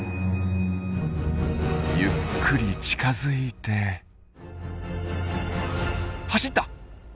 ゆっくり近づいて走った！